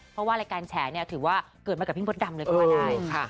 เพราะว่ารายการแฉเนี่ยถือว่าเกิดมากับพี่มดดำเลยก็ว่าได้ค่ะ